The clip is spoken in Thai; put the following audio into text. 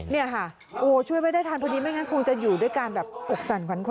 เนี่ยค่ะโอ้ช่วยไว้ได้ทันพอดีไม่งั้นคงจะอยู่ด้วยการแบบอกสั่นขวัญแข